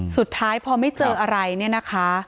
สุดท้ายพอไม่เจออะไรเนี่ยนะคะ